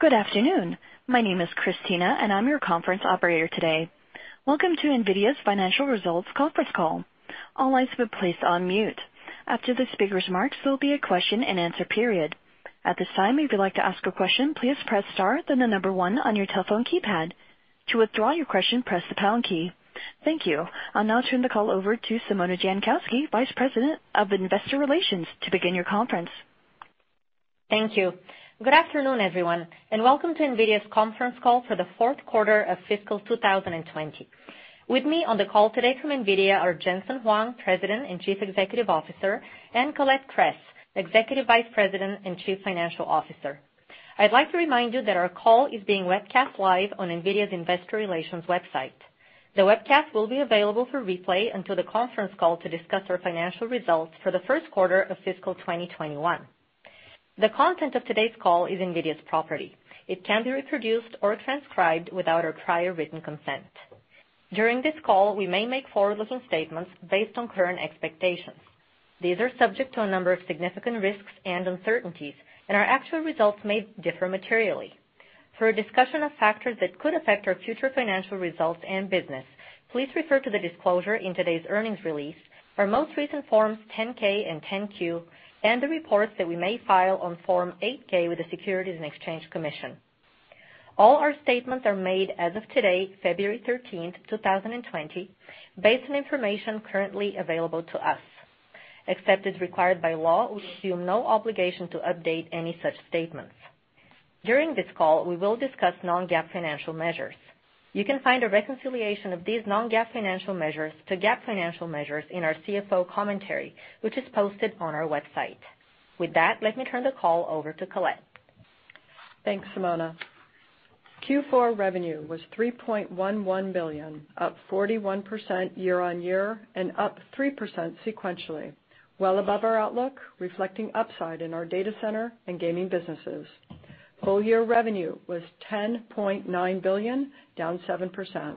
Good afternoon. My name is Christina, and I'm your conference operator today. Welcome to NVIDIA's Financial Results Conference Call. All lines are placed on mute. After the speaker's remarks, there will be a question and answer period. At this time, if you would like to as a question, please press star then the number one on your telephone keypad. To withdraw your question, press pound key. Thank you. I'll now turn the call over to Simona Jankowski, Vice President of Investor Relations, to begin your conference. Thank you. Good afternoon, everyone, and welcome to NVIDIA's conference call for the fourth quarter of fiscal 2020. With me on the call today from NVIDIA are Jensen Huang, President and Chief Executive Officer, and Colette Kress, Executive Vice President and Chief Financial Officer. I'd like to remind you that our call is being webcast live on NVIDIA's investor relations website. The webcast will be available for replay until the conference call to discuss our financial results for the first quarter of fiscal 2021. The content of today's call is NVIDIA's property. It can't be reproduced or transcribed without our prior written consent. During this call, we may make forward-looking statements based on current expectations. These are subject to a number of significant risks and uncertainties, and our actual results may differ materially. For a discussion of factors that could affect our future financial results and business, please refer to the disclosure in today's earnings release, our most recent Forms 10-K and 10-Q, and the reports that we may file on Form 8-K with the Securities and Exchange Commission. All our statements are made as of today, February 13th, 2020, based on information currently available to us. Except as required by law, we assume no obligation to update any such statements. During this call, we will discuss non-GAAP financial measures. You can find a reconciliation of these non-GAAP financial measures to GAAP financial measures in our CFO commentary, which is posted on our website. With that, let me turn the call over to Colette. Thanks, Simona. Q4 revenue was $3.11 billion, up 41% year-on-year and up 3% sequentially. Well above our outlook, reflecting upside in our data center and gaming businesses. Full-year revenue was $10.9 billion, down 7%.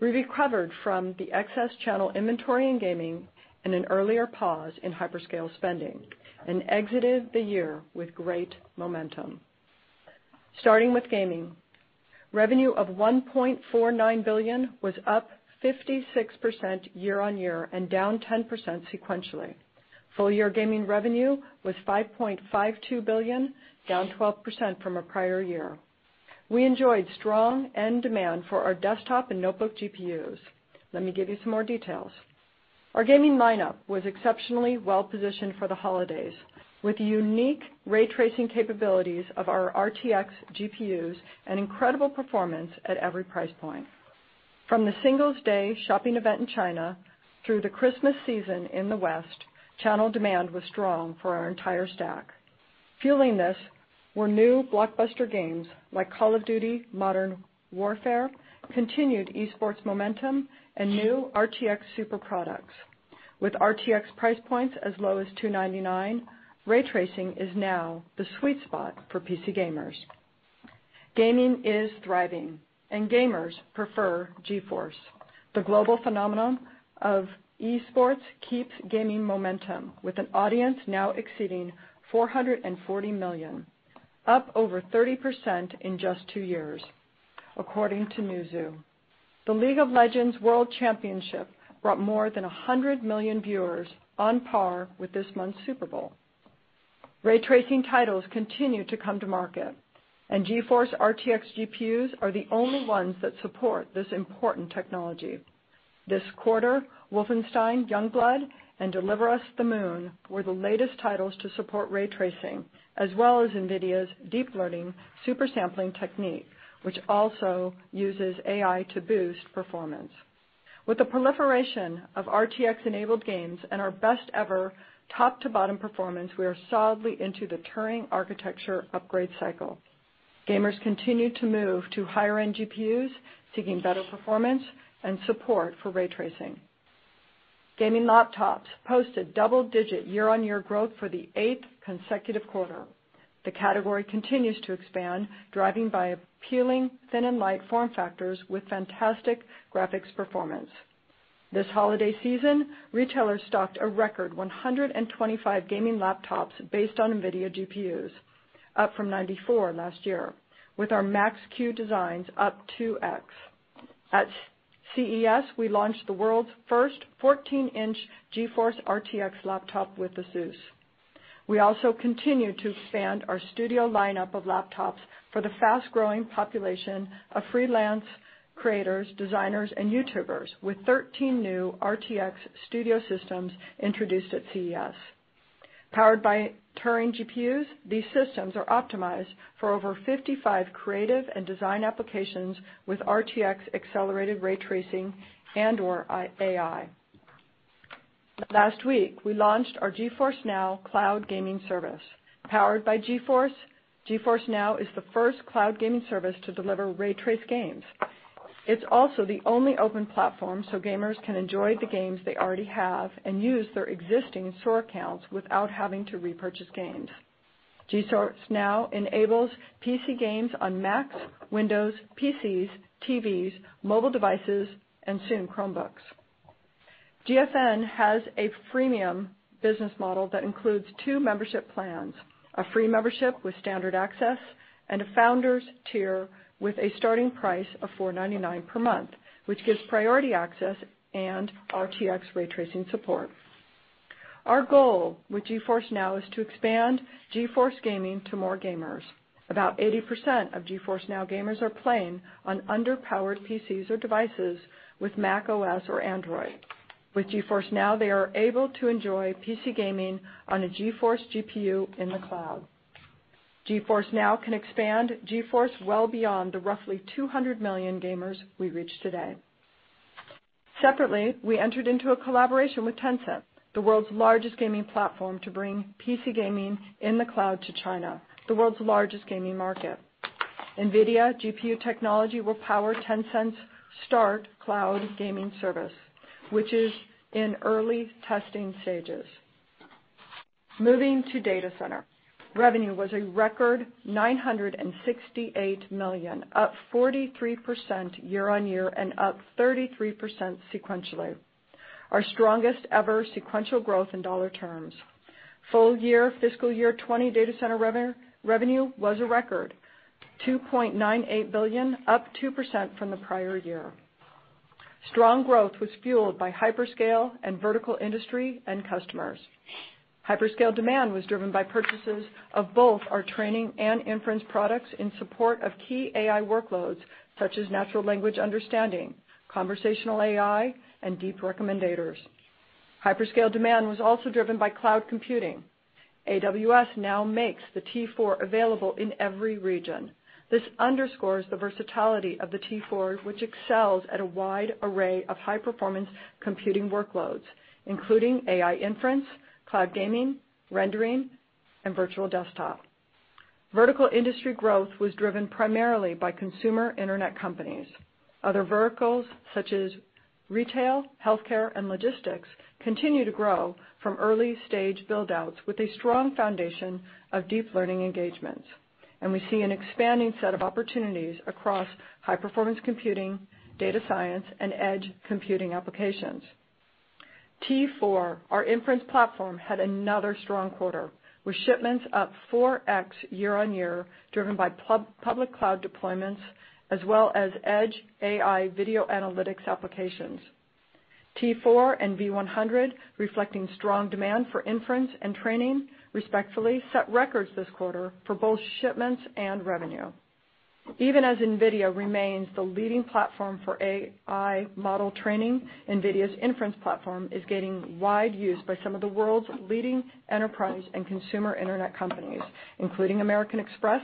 We recovered from the excess channel inventory in gaming and an earlier pause in hyperscale spending and exited the year with great momentum. Starting with gaming. Revenue of $1.49 billion was up 56% year-on-year and down 10% sequentially. Full-year gaming revenue was $5.52 billion, down 12% from a prior year. We enjoyed strong end demand for our desktop and notebook GPUs. Let me give you some more details. Our gaming lineup was exceptionally well-positioned for the holidays, with unique ray tracing capabilities of our RTX GPUs and incredible performance at every price point. From the Singles' Day shopping event in China through the Christmas season in the West, channel demand was strong for our entire stack. Fueling this were new blockbuster games like Call of Duty: Modern Warfare, continued esports momentum, and new RTX SUPER products. With RTX price points as low as $299, Ray Tracing is now the sweet spot for PC gamers. Gaming is thriving and gamers prefer GeForce. The global phenomenon of esports keeps gaining momentum, with an audience now exceeding 440 million, up over 30% in just two years, according to Newzoo. The League of Legends World Championship brought more than 100 million viewers on par with this month's Super Bowl. Ray tracing titles continue to come to market, and GeForce RTX GPUs are the only ones that support this important technology. This quarter, Wolfenstein: Youngblood and Deliver Us The Moon were the latest titles to support ray tracing, as well as NVIDIA's deep learning super sampling technique, which also uses AI to boost performance. With the proliferation of RTX-enabled games and our best ever top-to-bottom performance, we are solidly into the Turing architecture upgrade cycle. Gamers continue to move to higher-end GPUs, seeking better performance and support for ray tracing. Gaming laptops posted double-digit year-on-year growth for the eighth consecutive quarter. The category continues to expand, driving by appealing thin and light form factors with fantastic graphics performance. This holiday season, retailers stocked a record 125 gaming laptops based on NVIDIA GPUs, up from 94 last year, with our Max-Q designs up 2x. At CES, we launched the world's first 14-inch GeForce RTX laptop with Asus. We also continue to expand our studio lineup of laptops for the fast-growing population of freelance creators, designers, and YouTubers with 13 new RTX Studio systems introduced at CES. Powered by Turing GPUs, these systems are optimized for over 55 creative and design applications with RTX-accelerated ray tracing and/or AI. Last week, we launched our GeForce NOW cloud gaming service. Powered by GeForce, GeForce NOW is the first cloud gaming service to deliver ray-traced games. It's also the only open platform so gamers can enjoy the games they already have and use their existing store accounts without having to repurchase games. GeForce NOW enables PC games on Macs, Windows, PCs, TVs, mobile devices, and soon Chromebooks. GFN has a premium business model that includes two membership plans, a free membership with standard access, and a founder's tier with a starting price of $4.99 per month, which gives priority access and RTX ray tracing support. Our goal with GeForce NOW is to expand GeForce gaming to more gamers. About 80% of GeForce NOW gamers are playing on underpowered PCs or devices with macOS or Android. With GeForce NOW, they are able to enjoy PC gaming on a GeForce GPU in the cloud. GeForce NOW can expand GeForce well beyond the roughly 200 million gamers we reach today. Separately, we entered into a collaboration with Tencent, the world's largest gaming platform, to bring PC gaming in the cloud to China, the world's largest gaming market. NVIDIA GPU technology will power Tencent's START cloud gaming service, which is in early testing stages. Moving to data center. Revenue was a record $968 million, up 43% year-on-year and up 33% sequentially. Our strongest ever sequential growth in dollar terms. Full year fiscal year 2020 data center revenue was a record $2.98 billion, up 2% from the prior year. Strong growth was fueled by hyperscale and vertical industry end customers. Hyperscale demand was driven by purchases of both our training and inference products in support of key AI workloads such as natural language understanding, conversational AI, and deep recommendators. Hyperscale demand was also driven by cloud computing. AWS now makes the T4 available in every region. This underscores the versatility of the T4, which excels at a wide array of high-performance computing workloads, including AI inference, cloud gaming, rendering, and virtual desktop. Vertical industry growth was driven primarily by consumer internet companies. Other verticals such as retail, healthcare, and logistics continue to grow from early-stage build-outs with a strong foundation of deep learning engagements, and we see an expanding set of opportunities across high-performance computing, data science, and edge computing applications. T4, our inference platform, had another strong quarter, with shipments up 4x year-on-year, driven by public cloud deployments as well as edge AI video analytics applications. T4 and V100, reflecting strong demand for inference and training, respectively set records this quarter for both shipments and revenue. Even as NVIDIA remains the leading platform for AI model training, NVIDIA's inference platform is getting wide use by some of the world's leading enterprise and consumer internet companies, including American Express,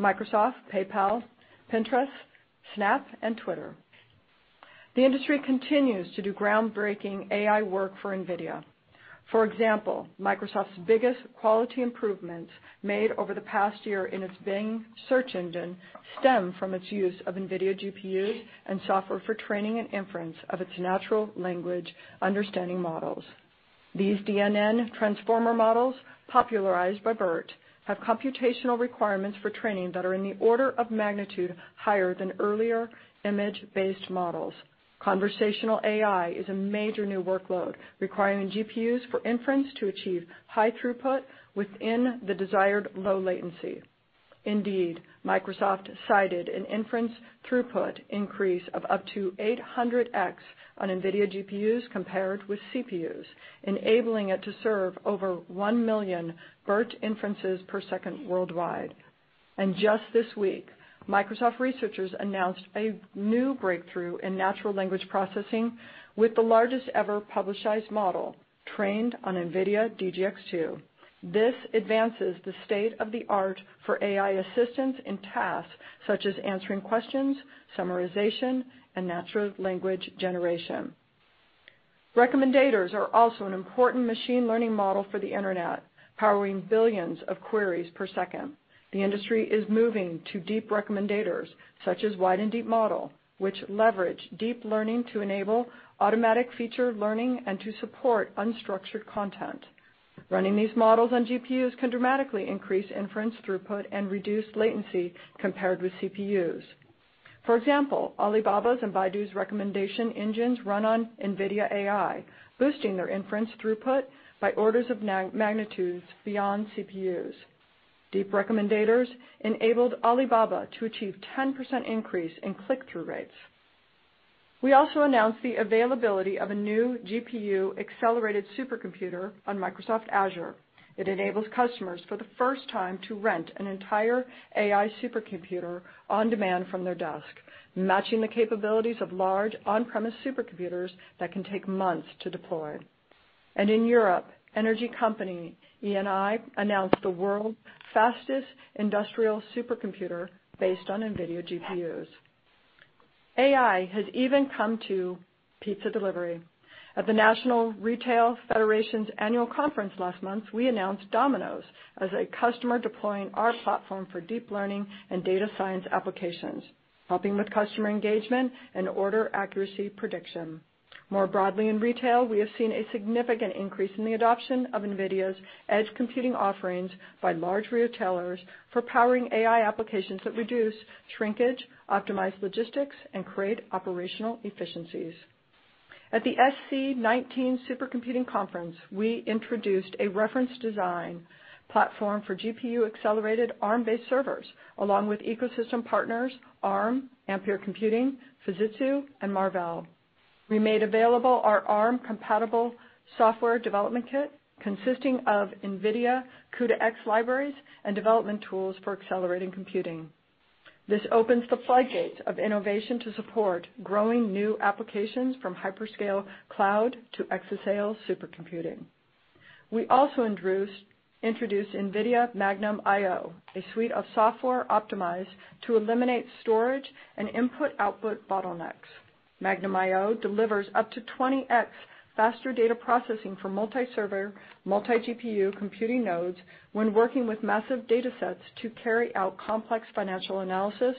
Microsoft, PayPal, Pinterest, Snap, and Twitter. The industry continues to do groundbreaking AI work for NVIDIA. Microsoft's biggest quality improvements made over the past year in its Bing search engine stem from its use of NVIDIA GPUs and software for training and inference of its natural language understanding models. These DNN Transformer models, popularized by BERT, have computational requirements for training that are in the order of magnitude higher than earlier image-based models. Conversational AI is a major new workload, requiring GPUs for inference to achieve high throughput within the desired low latency. Indeed, Microsoft cited an inference throughput increase of up to 800x on NVIDIA GPUs compared with CPUs, enabling it to serve over 1 million BERT inferences per second worldwide. Just this week, Microsoft researchers announced a new breakthrough in natural language processing with the largest ever publicized model trained on NVIDIA DGX-2. This advances the state-of-the-art for AI assistance in tasks such as answering questions, summarization, and natural language generation. Recommenders are also an important machine learning model for the internet, powering billions of queries per second. The industry is moving to deep recommendators such as Wide & Deep model, which leverage deep learning to enable automatic feature learning and to support unstructured content. Running these models on GPUs can dramatically increase inference throughput and reduce latency compared with CPUs. For example, Alibaba's and Baidu's recommendation engines run on NVIDIA AI, boosting their inference throughput by orders of magnitudes beyond CPUs. Deep recommendators enabled Alibaba to achieve 10% increase in click-through rates. We also announced the availability of a new GPU-accelerated supercomputer on Microsoft Azure. It enables customers for the first time to rent an entire AI supercomputer on demand from their desk, matching the capabilities of large on-premise supercomputers that can take months to deploy. In Europe, energy company Eni announced the world's fastest industrial supercomputer based on NVIDIA GPUs. AI has even come to pizza delivery. At the National Retail Federation's annual conference last month, we announced DoMINO's as a customer deploying our platform for deep learning and data science applications, helping with customer engagement and order accuracy prediction. More broadly in retail, we have seen a significant increase in the adoption of NVIDIA's edge computing offerings by large retailers for powering AI applications that reduce shrinkage, optimize logistics, and create operational efficiencies. At the SC19 Supercomputing Conference, we introduced a reference design platform for GPU-accelerated Arm-based servers, along with ecosystem partners Arm, Ampere Computing, Fujitsu, and Marvell. We made available our Arm-compatible software development kit consisting of NVIDIA CUDA-X libraries and development tools for accelerating computing. This opens the floodgates of innovation to support growing new applications from hyperscale cloud to exascale supercomputing. We also introduced NVIDIA Magnum IO, a suite of software optimized to eliminate storage and input-output bottlenecks. Magnum IO delivers up to 20x faster data processing for multi-server, multi-GPU computing nodes when working with massive datasets to carry out complex financial analysis,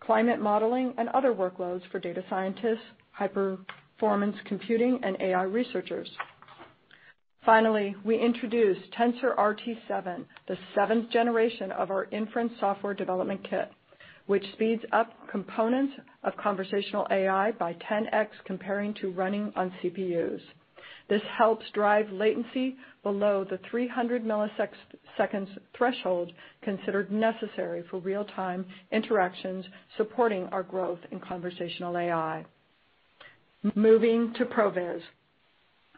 climate modeling, and other workloads for data scientists, high performance computing, and AI researchers. Finally, we introduced TensorRT 7, the seventh generation of our inference software development kit, which speeds up components of conversational AI by 10x comparing to running on CPUs. This helps drive latency below the 300 ms threshold considered necessary for real-time interactions supporting our growth in conversational AI. Moving to ProViz.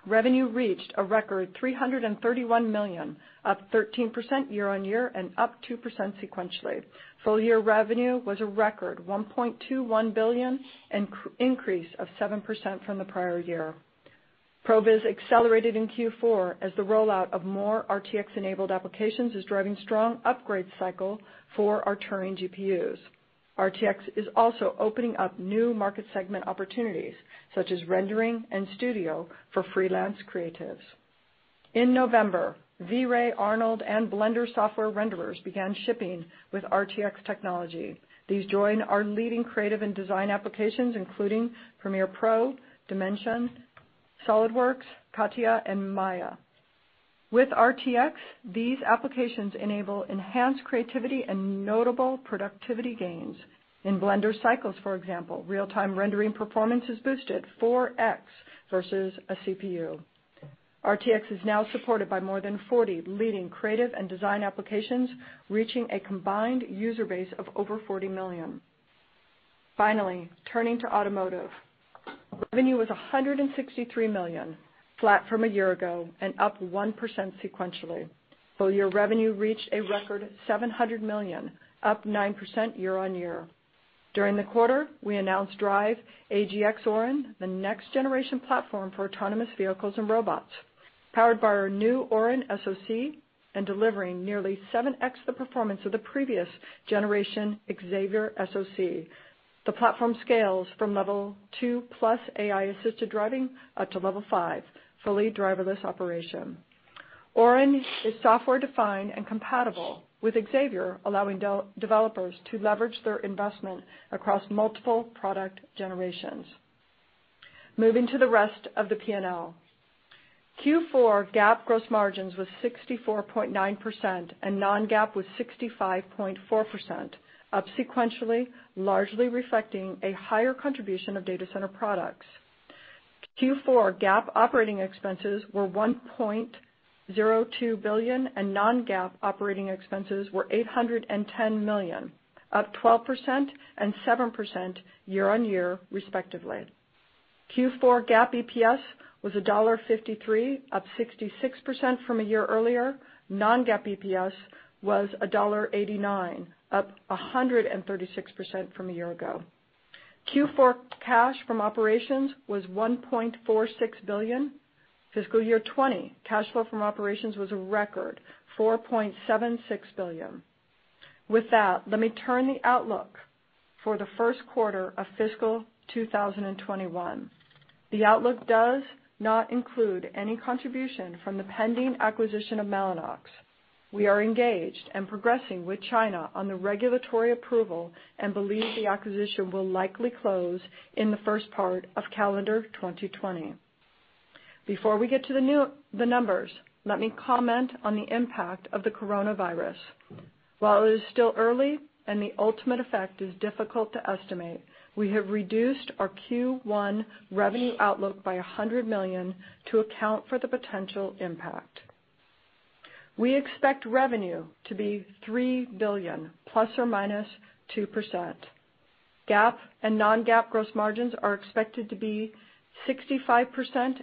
Revenue reached a record $331 million, up 13% year-on-year and up 2% sequentially. Full year revenue was a record $1.21 billion, an increase of 7% from the prior year. ProViz accelerated in Q4 as the rollout of more RTX-enabled applications is driving strong upgrade cycle for our Turing GPUs. RTX is also opening up new market segment opportunities, such as rendering and studio for freelance creatives. In November, V-Ray, Arnold, and Blender software renderers began shipping with RTX technology. These join our leading creative and design applications, including Premiere Pro, Dimension, SOLIDWORKS, CATIA, and Maya. With RTX, these applications enable enhanced creativity and notable productivity gains. In Blender Cycles, for example, real-time rendering performance is boosted 4x versus a CPU. RTX is now supported by more than 40 leading creative and design applications, reaching a combined user base of over 40 million. Finally, turning to automotive. Revenue was $163 million, flat from a year ago and up 1% sequentially. Full year revenue reached a record $700 million, up 9% year-on-year. During the quarter, we announced DRIVE AGX Orin, the next generation platform for autonomous vehicles and robots, powered by our new Orin SoC and delivering nearly 7x the performance of the previous generation Xavier SoC. The platform scales from level 2+ AI-assisted driving up to level 5, fully driverless operation. Orin is software-defined and compatible with Xavier, allowing de-developers to leverage their investment across multiple product generations. Moving to the rest of the P&L. Q4 GAAP gross margins was 64.9% and non-GAAP was 65.4%, up sequentially, largely reflecting a higher contribution of data center products. Q4 GAAP operating expenses were $1.02 billion and non-GAAP operating expenses were $810 million, up 12% and 7% year-on-year, respectively. Q4 GAAP EPS was $1.53, up 66% from a year earlier. Non-GAAP EPS was $1.89, up 136% from a year ago. Q4 cash from operations was $1.46 billion. Fiscal year 2020, cash flow from operations was a record, $4.76 billion. With that, let me turn the outlook for the first quarter of fiscal 2021. The outlook does not include any contribution from the pending acquisition of Mellanox. We are engaged and progressing with China on the regulatory approval and believe the acquisition will likely close in the first part of calendar 2020. Before we get to the numbers, let me comment on the impact of the coronavirus. While it is still early and the ultimate effect is difficult to estimate, we have reduced our Q1 revenue outlook by $100 million to account for the potential impact. We expect revenue to be $3 billion, ±2%. GAAP and non-GAAP gross margins are expected to be 65%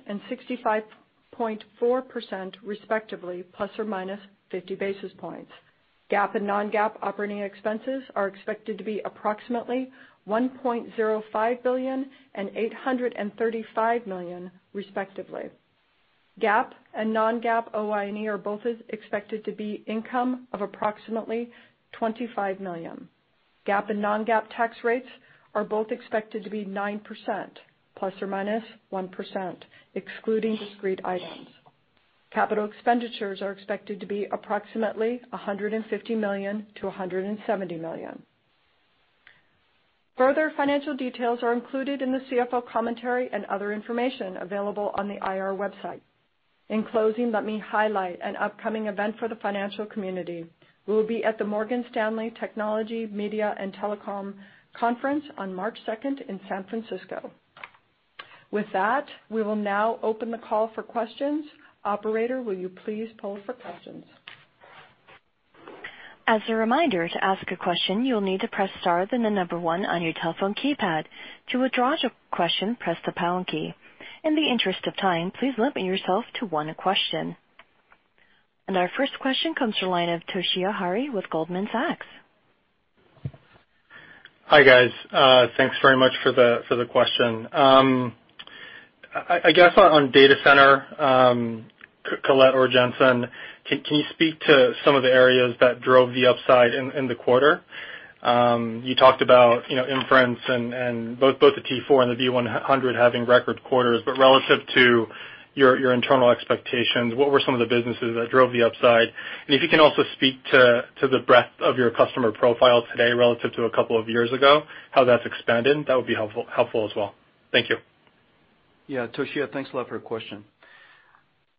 and 65.4% respectively, ±50 basis points. GAAP and non-GAAP operating expenses are expected to be approximately $1.05 billion and $835 million, respectively. GAAP and non-GAAP OI&E are both expected to be income of approximately $25 million. GAAP and non-GAAP tax rates are both expected to be 9%, ±1%, excluding discrete items. Capitals expenditures are expected to be approximately $150 million-$170 million. Further financial details are included in the CFO commentary and other information available on the IR website. In closing, let me highlight an upcoming event for the financial community. We will be at the Morgan Stanley Technology, Media, and Telecom Conference on March 2nd in San Francisco. With that, we will now open the call for questions. Operator, will you please poll for questions? As a reminder, to ask a question, you'll need to press star, then the number one on your telephone keypad. To withdraw your question, press the pound key. In the interest of time, please limit yourself to one question. Our first question comes from the line of Toshiya Hari with Goldman Sachs. Hi, guys. Thanks very much for the question. I guess on data center, Colette or Jensen, can you speak to some of the areas that drove the upside in the quarter? You talked about, you know, inference and both the T4 and the V100 having record quarters, but relative to your internal expectations, what were some of the businesses that drove the upside? If you can also speak to the breadth of your customer profile today relative to a couple of years ago, how that's expanded, that would be helpful as well. Thank you. Yeah, Toshiya, thanks a lot for your question.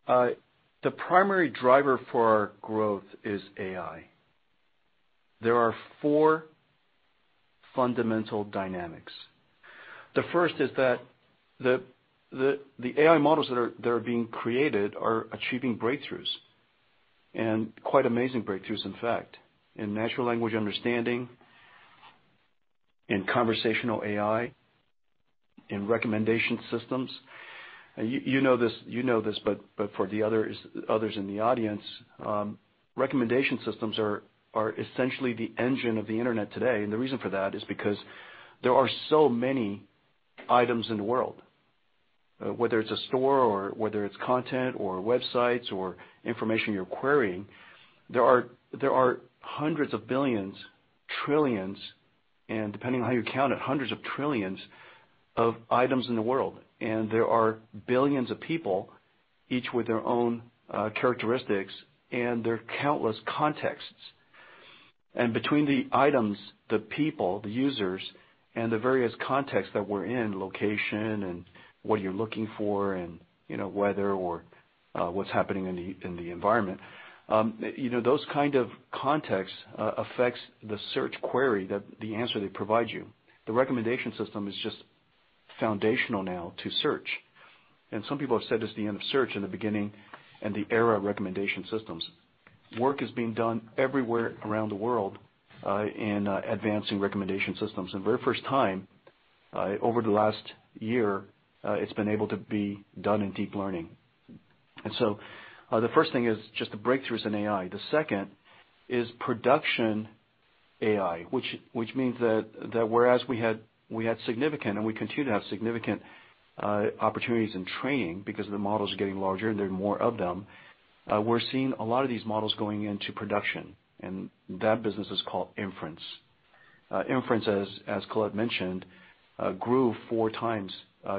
The primary driver for our growth is AI. There are four fundamental dynamics. The first is that the AI models that are being created are achieving breakthroughs, and quite amazing breakthroughs, in fact, in natural language understanding, in conversational AI, in recommendation systems. You know this, but for the others in the audience, recommendation systems are essentially the engine of the Internet today, and the reason for that is because there are so many items in the world. Whether it's a store or whether it's content or websites or information you're querying, there are hundreds of billions, trillions, and depending on how you count it, hundreds of trillions of items in the world. There are billions of people, each with their own characteristics and their countless contexts. Between the items, the people, the users, and the various contexts that we're in, location and what you're looking for and, you know, weather or what's happening in the environment, you know, those kind of contexts affects the search query that the answer they provide you. The recommendation system is just foundational now to search. Some people have said it's the end of search and the beginning and the era of recommendation systems. Work is being done everywhere around the world in advancing recommendation systems. For the first time, over the last year, it's been able to be done in deep learning. The first thing is just the breakthroughs in AI. The second is production AI, which means that whereas we had significant, and we continue to have significant opportunities in training because the models are getting larger and there are more of them, we're seeing a lot of these models going into production, and that business is called inference. Inference, as Colette mentioned, grew 4x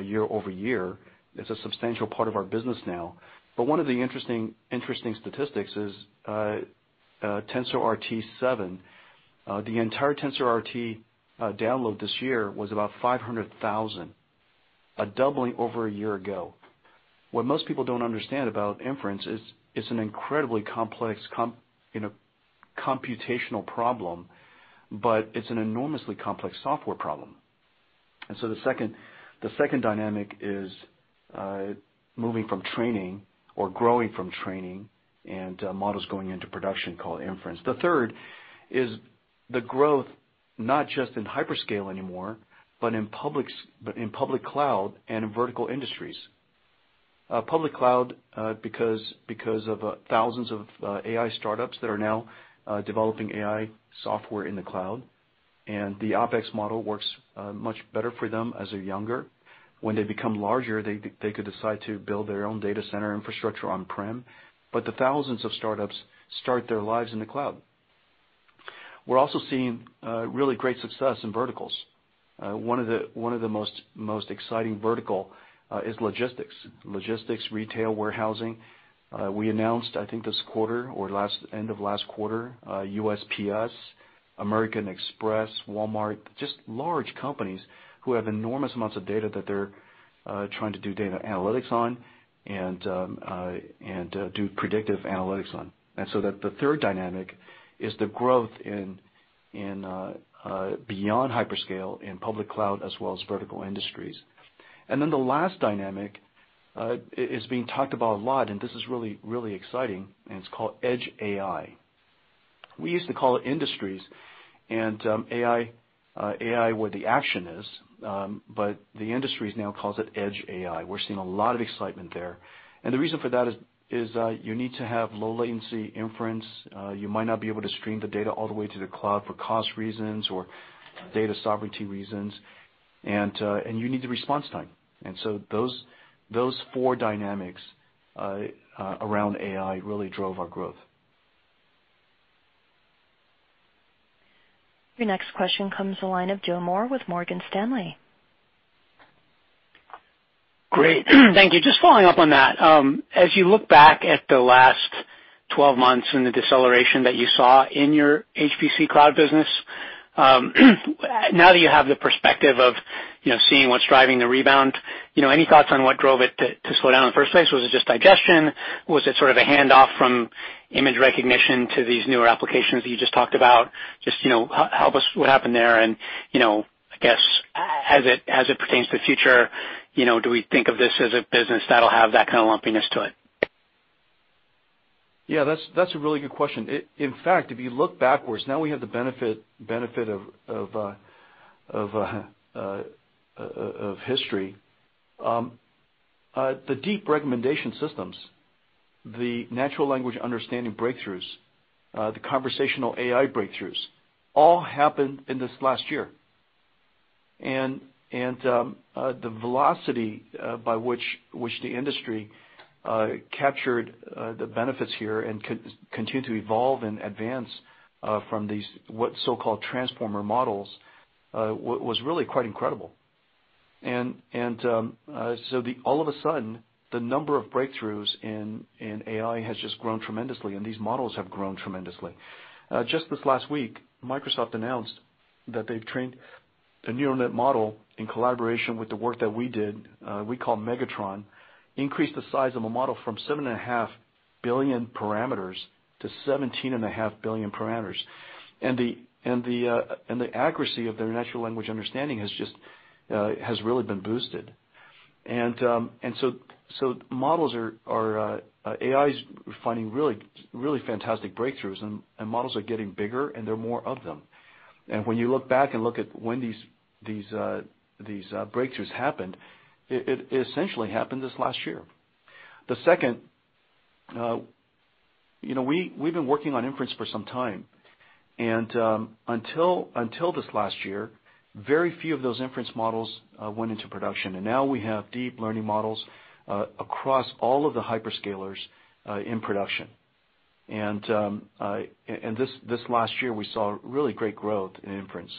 year-over-year. It's a substantial part of our business now. One of the interesting statistics is TensorRT 7. The entire TensorRT download this year was about 500,000, a doubling over a year ago. What most people don't understand about inference is it's an incredibly complex, you know, computational problem, but it's an enormously complex software problem. The second dynamic is moving from training or growing from training and models going into production called inference. The third is the growth, not just in hyperscale anymore, but in public cloud and in vertical industries. Public cloud, because of thousands of AI startups that are now developing AI software in the cloud, and the OpEx model works much better for them as they're younger. When they become larger, they could decide to build their own data center infrastructure on-prem, but the thousands of startups start their lives in the cloud. We're also seeing really great success in verticals. One of the most exciting vertical is logistics. Logistics, retail, warehousing. We announced, I think this quarter or last, end of last quarter, USPS, American Express, Walmart, just large companies who have enormous amounts of data that they're trying to do data analytics on and do predictive analytics on. That the third dynamic is the growth in beyond hyperscale in public cloud as well as vertical industries. The last dynamic is being talked about a lot, and this is really, really exciting, and it's called edge AI. We used to call it industries and AI where the action is, but the industries now calls it edge AI. We're seeing a lot of excitement there. The reason for that is you need to have low latency inference. You might not be able to stream the data all the way to the cloud for cost reasons or data sovereignty reasons and you need the response time. Those four dynamics around AI really drove our growth. Your next question comes from the line of Joe Moore with Morgan Stanley. Great. Thank you. Just following up on that, as you look back at the last 12 months in the deceleration that you saw in your HPC cloud business. Now that you have the perspective of, you know, seeing what's driving the rebound, you know, any thoughts on what drove it to slow down in the first place? Was it just digestion? Was it sort of a handoff from image recognition to these newer applications that you just talked about? Just, you know, help us what happened there and, you know, I guess as it, as it pertains to the future, you know, do we think of this as a business that'll have that kind of lumpiness to it? Yeah, that's a really good question. In fact, if you look backwards, now we have the benefit of history. The deep recommendation systems, the natural language understanding breakthroughs, the conversational AI breakthroughs all happened in this last year. The velocity, by which the industry captured the benefits here, and continue to evolve and advance, from these what so-called Transformer models, was really quite incredible. All of a sudden, the number of breakthroughs in AI has just grown tremendously, and these models have grown tremendously. Just this last week, Microsoft announced that they've trained a neural net model in collaboration with the work that we did, we call Megatron, increased the size of a model from 7.5 billion parameters to 17.5 billion parameters. The accuracy of their natural language understanding has just really been boosted. Models are, AI's finding really, really fantastic breakthroughs and models are getting bigger, and there are more of them. When you look back and look at when these breakthroughs happened, it essentially happened this last year. The second, you know, we've been working on inference for some time, until this last year, very few of those inference models went into production. Now we have deep learning models across all of the hyperscalers in production. This last year, we saw really great growth in inference.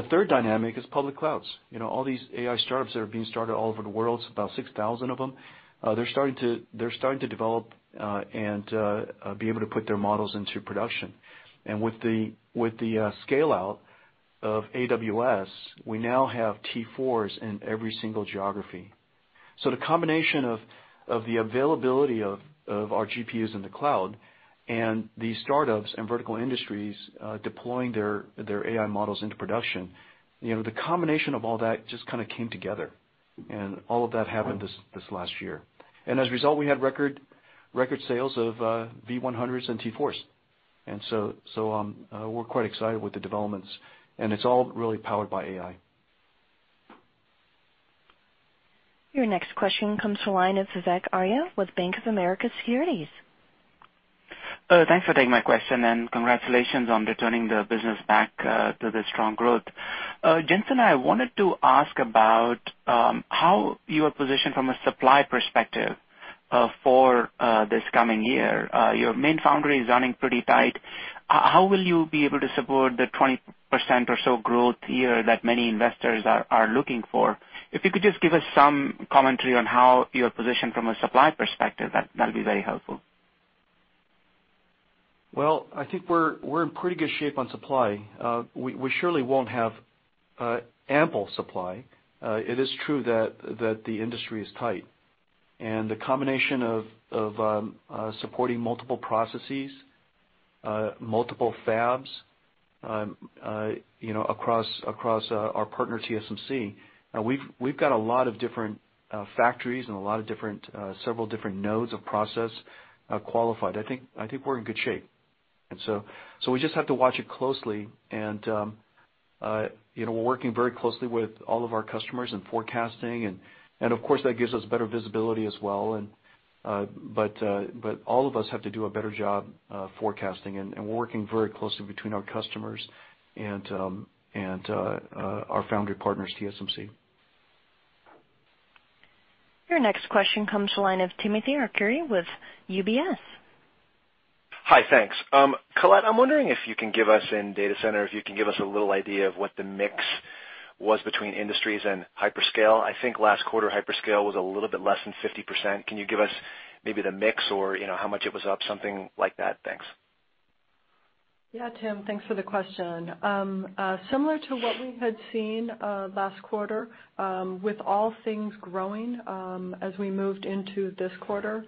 The third dynamic is public clouds. You know, all these AI startups that are being started all over the world, it's about 6,000 of them, they're starting to develop and be able to put their models into production. With the scale out of AWS, we now have T4s in every single geography. The combination of the availability of our GPUs in the cloud and these startups and vertical industries deploying their AI models into production, you know, the combination of all that just kinda came together, and all of that happened this last year. As a result, we had record sales of V100s and T4s. So, we're quite excited with the developments, and it's all really powered by AI. Your next question comes to line of Vivek Arya with Bank of America Securities. Thanks for taking my question, and congratulations on returning the business back to the strong growth. Jensen, I wanted to ask about how you are positioned from a supply perspective for this coming year. Your main foundry is running pretty tight. How will you be able to support the 20% or so growth year that many investors are looking for? If you could just give us some commentary on how you're positioned from a supply perspective, that'd be very helpful. Well, I think we're in pretty good shape on supply. We surely won't have ample supply. It is true that the industry is tight, and the combination of supporting multiple processes, multiple fabs, you know, across our partner TSMC, we've got a lot of different factories and a lot of different several different nodes of process qualified. I think we're in good shape. So we just have to watch it closely and, you know, we're working very closely with all of our customers and forecasting and of course, that gives us better visibility as well, but all of us have to do a better job forecasting and we're working very closely between our customers and our foundry partners, TSMC. Your next question comes to line of Timothy Arcuri with UBS. Hi, thanks. Colette, I'm wondering if you can give us, in data center, if you can give us a little idea of what the mix was between industries and hyperscale? I think last quarter, hyperscale was a little bit less than 50%. Can you give us maybe the mix or, you know, how much it was up? Something like that. Thanks. Yeah, Tim, thanks for the question. Similar to what we had seen last quarter, with all things growing, as we moved into this quarter,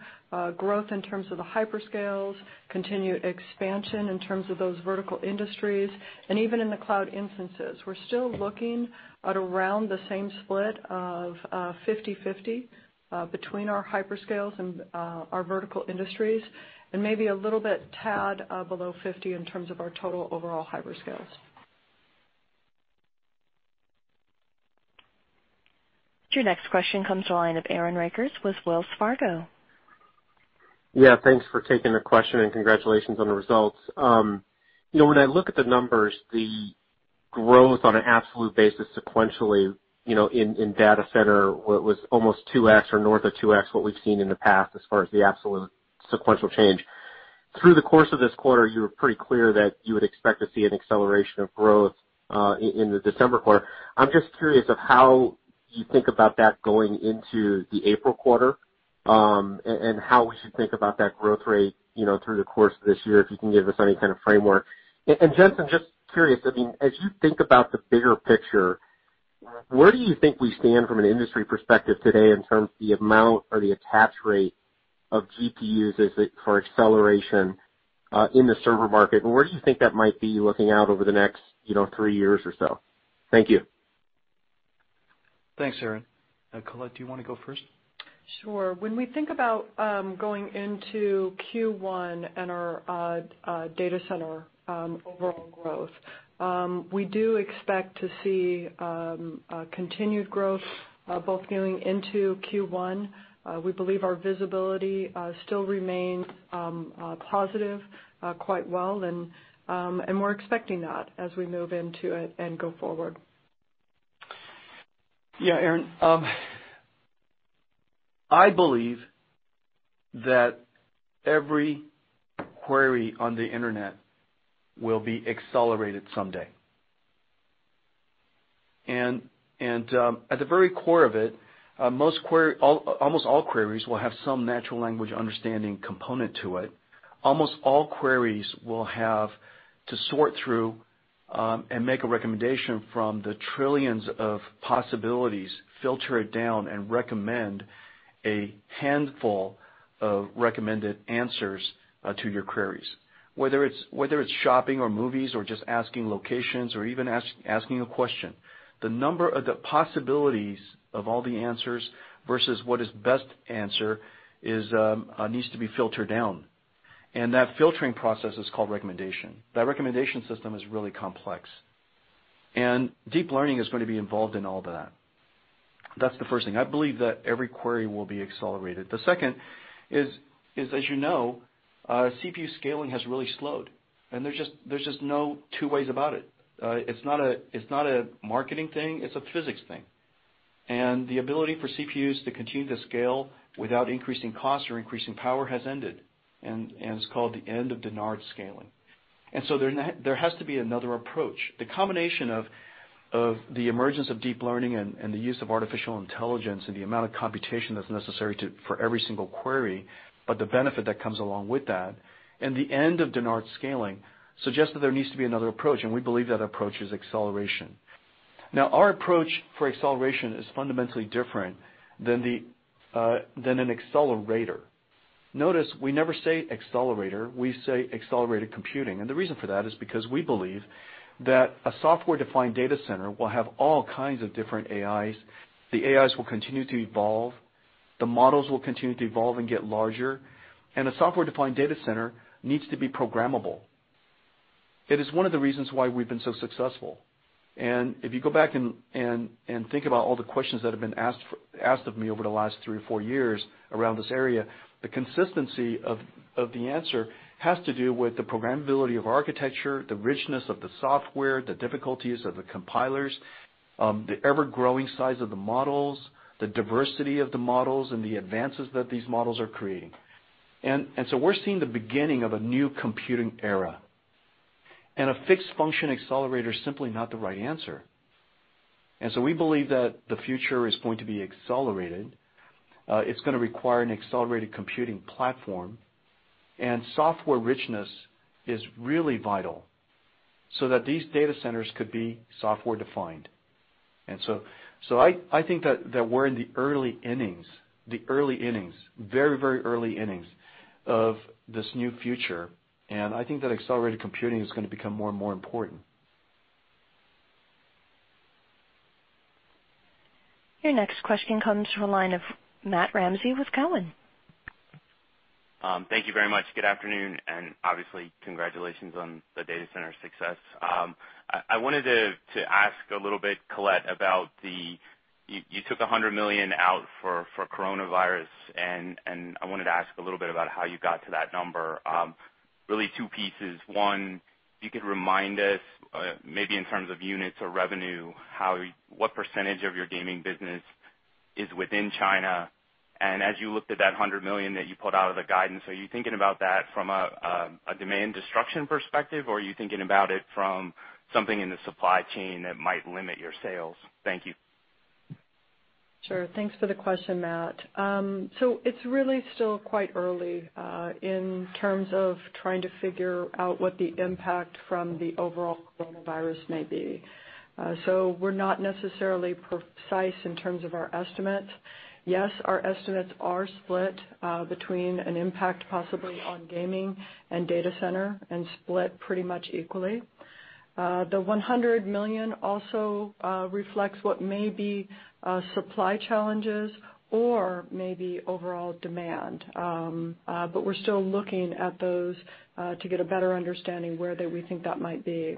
growth in terms of the hyperscales, continued expansion in terms of those vertical industries, and even in the cloud instances. We're still looking at around the same split of 50/50 between our hyperscales and our vertical industries, and maybe a little bit tad below 50 in terms of our total overall hyperscales. Your next question comes to line of Aaron Rakers with Wells Fargo. Yeah, thanks for taking the question and congratulations on the results. You know, when I look at the numbers, the growth on an absolute basis sequentially, you know, in data center was almost 2x or north of 2x what we've seen in the past as far as the absolute sequential change. Through the course of this quarter, you were pretty clear that you would expect to see an acceleration of growth in the December quarter. I'm just curious of how you think about that going into the April quarter, and how we should think about that growth rate, you know, through the course of this year? If you can give us any kind of framework. Jensen, just curious, I mean, as you think about the bigger picture, where do you think we stand from an industry perspective today in terms of the amount or the attach rate of GPUs as it for acceleration in the server market? Where do you think that might be looking out over the next, you know, three years or so? Thank you. Thanks, Aaron. Colette, do you wanna go first? Sure. When we think about going into Q1 and our data center overall growth, we do expect to see continued growth both going into Q1. We believe our visibility still remains positive quite well. We're expecting that as we move into it and go forward. Yeah, Aaron, I believe that every query on the internet will be accelerated someday. At the very core of it, almost all queries will have some natural language understanding component to it. Almost all queries will have to sort through and make a recommendation from the trillions of possibilities, filter it down, and recommend a handful of recommended answers to your queries. Whether it's shopping or movies or just asking locations or even asking a question, the number of possibilities of all the answers versus what is best answer needs to be filtered down, and that filtering process is called recommendation. That recommendation system is really complex, and deep learning is going to be involved in all that. That's the first thing. I believe that every query will be accelerated. The second is, as you know, CPU scaling has really slowed, there's just no two ways about it. It's not a marketing thing, it's a physics thing. The ability for CPUs to continue to scale without increasing cost or increasing power has ended, it's called the end of Dennard scaling. There has to be another approach. The combination of the emergence of deep learning and the use of artificial intelligence and the amount of computation that's necessary for every single query, but the benefit that comes along with that and the end of Dennard scaling suggests that there needs to be another approach, and we believe that approach is acceleration. Now, our approach for acceleration is fundamentally different than the, than an accelerator. Notice we never say accelerator, we say accelerated computing, and the reason for that is because we believe that a software-defined data center will have all kinds of different AIs. The AIs will continue to evolve, the models will continue to evolve and get larger, and a software-defined data center needs to be programmable. It is one of the reasons why we've been so successful. If you go back and think about all the questions that have been asked of me over the last three or four years around this area, the consistency of the answer has to do with the programmability of architecture, the richness of the software, the difficulties of the compilers, the ever-growing size of the models, the diversity of the models, and the advances that these models are creating. We're seeing the beginning of a new computing era, and a fixed function accelerator is simply not the right answer. We believe that the future is going to be accelerated. It's gonna require an accelerated computing platform, and software richness is really vital so that these data centers could be software-defined. I think that we're in the early innings, very, very early innings of this new future, and I think that accelerated computing is gonna become more and more important. Your next question comes from the line of Matt Ramsay with Cowen. Thank you very much. Good afternoon, and obviously congratulations on the data center success. I wanted to ask a little bit, Colette, about the you took $100 million out for coronavirus, and I wanted to ask a little bit about how you got to that number. Really two pieces. One, if you could remind us, maybe in terms of units or revenue, how what percentage of your gaming business is within China? As you looked at that $100 million that you pulled out of the guidance, are you thinking about that from a demand destruction perspective, or are you thinking about it from something in the supply chain that might limit your sales? Thank you. Sure. Thanks for the question, Matt. It's really still quite early in terms of trying to figure out what the impact from the overall coronavirus may be. We're not necessarily precise in terms of our estimates. Yes, our estimates are split between an impact possibly on gaming and data center and split pretty much equally. The $100 million also reflects what may be supply challenges or maybe overall demand. We're still looking at those to get a better understanding where that we think that might be.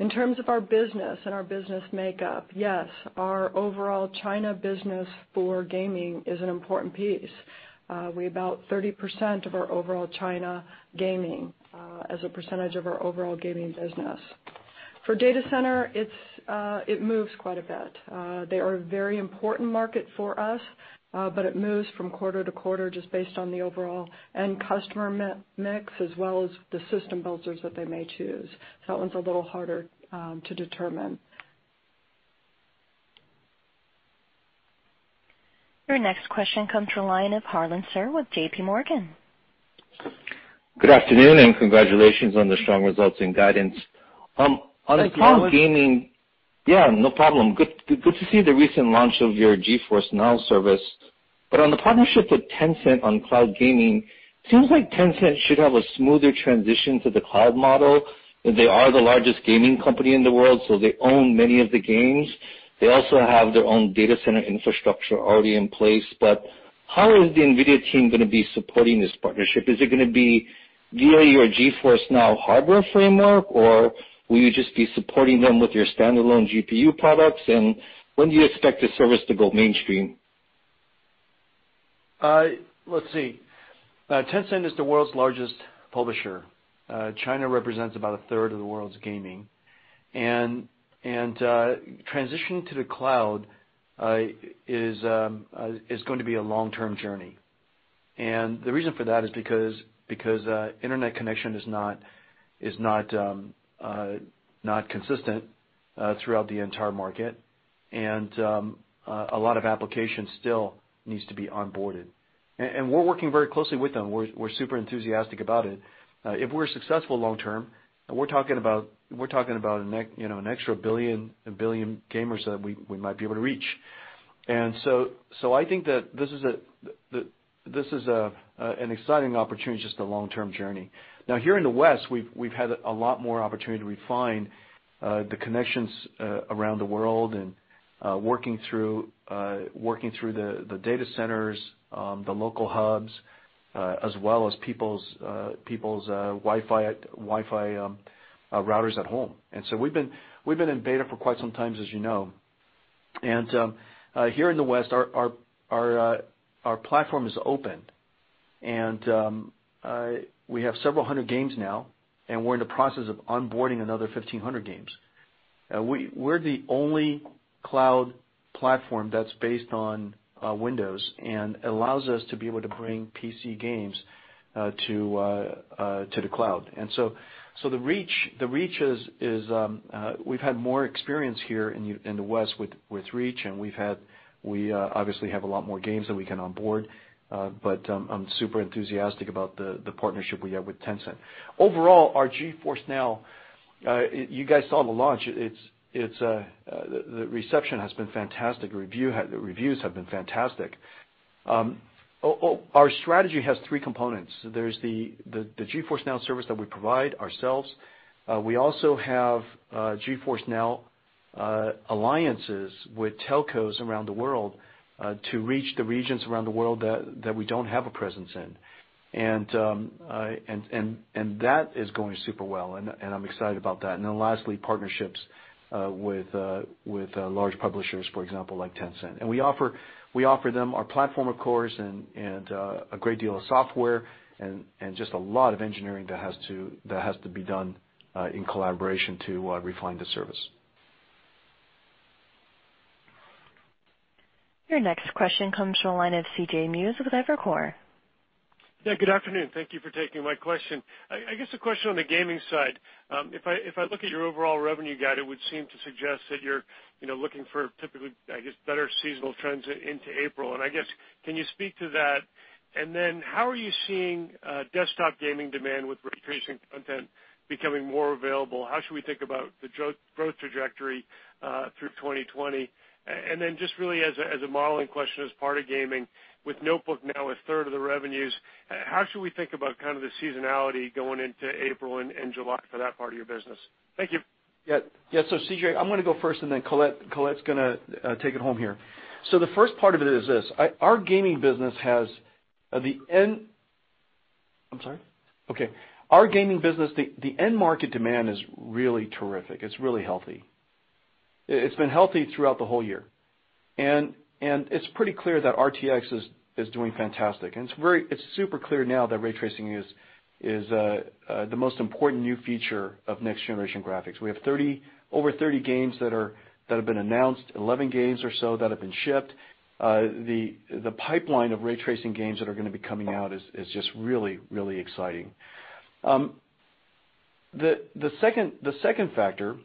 In terms of our business and our business makeup, yes, our overall China business for gaming is an important piece. About 30% of our overall China gaming as a percentage of our overall gaming business. For data center, it's it moves quite a bit. They are a very important market for us, but it moves from quarter to quarter just based on the overall end customer mix as well as the system builders that they may choose. That one's a little harder to determine. Your next question comes from line of Harlan Sur with JPMorgan. Good afternoon, and congratulations on the strong results and guidance. Thank you. Yeah, no problem. Good to see the recent launch of your GeForce NOW service. On the partnership with Tencent on cloud gaming, seems like Tencent should have a smoother transition to the cloud model, as they are the largest gaming company in the world, so they own many of the games. They also have their own data center infrastructure already in place. How is the NVIDIA team gonna be supporting this partnership? Is it gonna be via your GeForce NOW hardware framework, or will you just be supporting them with your standalone GPU products? When do you expect the service to go mainstream? Let's see. Tencent is the world's largest publisher. China represents about 1/3 of the world's gaming. Transitioning to the cloud is going to be a long-term journey. The reason for that is because internet connection is not consistent throughout the entire market. A lot of applications still needs to be onboarded. We're working very closely with them. We're super enthusiastic about it. If we're successful long term, we're talking about an extra 1 billion gamers that we might be able to reach. I think that this is an exciting opportunity, just a long-term journey. Now, here in the West, we've had a lot more opportunity to refine the connections around the world and working through the data centers, the local hubs, as well as people's Wi-Fi routers at home. We've been in beta for quite some times, as you know. Here in the West, our platform is open. We have several hundred games now, and we're in the process of onboarding another 1,500 games. We're the only cloud platform that's based on Windows and allows us to be able to bring PC games to the cloud. The reach is, we've had more experience here in the West with reach, and we obviously have a lot more games that we can onboard. I'm super enthusiastic about the partnership we have with Tencent. Overall, our GeForce NOW, you guys saw the launch. It's the reception has been fantastic. The reviews have been fantastic. Our strategy has three components. There's the GeForce NOW service that we provide ourselves. We also have GeForce NOW alliances with telcos around the world to reach the regions around the world that we don't have a presence in. That is going super well, and I'm excited about that. Lastly, partnerships, with large publishers, for example, like Tencent. We offer them our platform, of course, and a great deal of software and just a lot of engineering that has to be done, in collaboration to refine the service. Your next question comes from the line of C.J. Muse with Evercore. Yeah, good afternoon. Thank you for taking my question. I guess a question on the gaming side. If I look at your overall revenue guide, it would seem to suggest that you're, you know, looking for typically, I guess, better seasonal trends into April. I guess, can you speak to that? Then how are you seeing desktop gaming demand with ray tracing content becoming more available? How should we think about the growth trajectory through 2020? Then just really as a modeling question, as part of gaming with notebook now 1/3 of the revenues, how should we think about kind of the seasonality going into April and July for that part of your business? Thank you. C.J., I'm going to go first, and then Colette's going to take it home here. The first part of it is this. Our gaming business has, at the end, I'm sorry? Okay. Our gaming business, the end market demand is really terrific. It's really healthy. It's been healthy throughout the whole year. It's pretty clear that RTX is doing fantastic. It's very, it's super clear now that ray tracing is the most important new feature of next-generation graphics. We have 30, over 30 games that have been announced, 11 games or so that have been shipped. The pipeline of ray tracing games that are going to be coming out is just really, really exciting. The second factor,